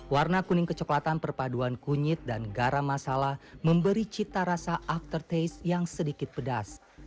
warna kuning kecoklatan perpaduan kunyit dan garam masala memberi cita rasa after taste yang sedikit pedas